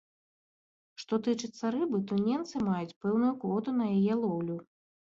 Што тычыцца рыбы, то ненцы маюць пэўную квоту на яе лоўлю.